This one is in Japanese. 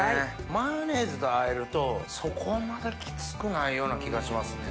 マヨネーズとあえるとそこまでキツくないような気がしますね。